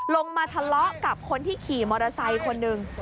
ลงมาทะเลาะกับคนที่ขี่มอเตอร์ไซค์คนหนึ่ง